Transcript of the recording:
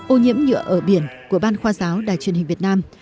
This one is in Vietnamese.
ô nhiễm nhựa ở biển của ban khoa giáo đài truyền hình việt nam